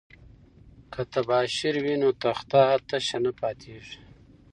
که تباشیر وي نو تخته تشه نه پاتیږي.